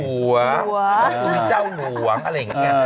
หลัวหรือเจ้าหลวงอะไรอย่างนี้